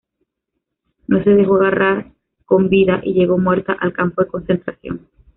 No se dejó agarrar con vida y llegó muerta al campo de concentración.